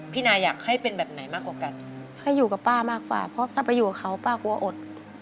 พี่นาอยากให้เป็นแบบไหนมากกว่ากันให้อยู่กับป้ามากกว่าเพราะถ้าไปอยู่กับเขาป้ากลัวอด